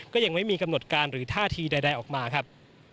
ยังไม่มีกำหนดการหรือท่าทีใดออกมาครับ